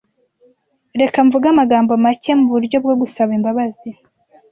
Reka mvuge amagambo make muburyo bwo gusaba imbabazi.